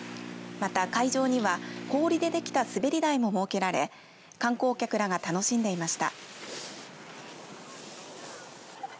また、会場には氷で出来た滑り台も設けられ観光客らが楽しんでいました。